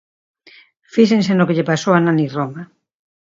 Fíxense no que lle pasou a Nani Roma.